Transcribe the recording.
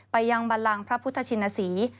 ยังบันลังพระพุทธชินศรี